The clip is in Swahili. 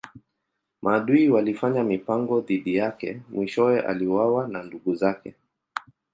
Maadui walifanya mipango dhidi yake mwishowe aliuawa na ndugu zake.